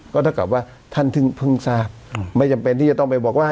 ก็เท่ากับว่าท่านเพิ่งทราบไม่จำเป็นที่จะต้องไปบอกว่า